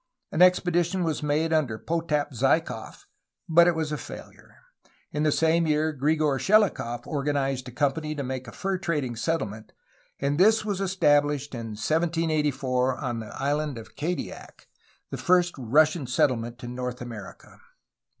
An expedition was made under Potap Zaikof, but it was a failure. In the same year Grigor Shelikof organized a company to make a fur trading settlement, and this was estabhshed in 1784 on the Island of Kadiak, the first Russian settlement in 260 A HISTORY OF CALIFORNIA North America.